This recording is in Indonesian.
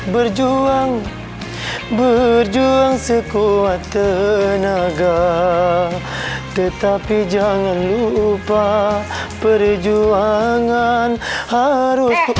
perjuangan perjuangan sekuat tenaga tetapi jangan lupa perjuangan harus tuh